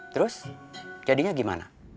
terus jadinya gimana